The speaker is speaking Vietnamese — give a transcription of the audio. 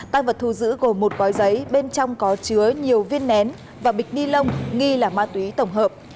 tăng vật thu giữ gồm một gói giấy bên trong có chứa nhiều viên nén và bịch ni lông nghi là ma túy tổng hợp